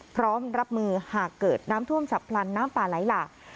พร้อมรับมือหากเกิดน้ำท่วมฉับพลันน้ำป่าไหลหลาก